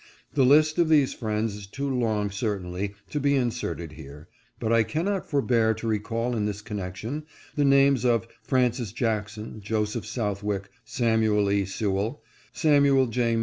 The list of these friends is too long certainly to be inserted here, but I cannot forbear to recall in this connection the names of Francis Jackson, Joseph Southwick, Samuel E. Sewell, Samuel J.